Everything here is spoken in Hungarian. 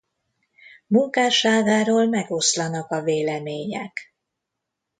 Munkásságáról megoszlanak a vélemények.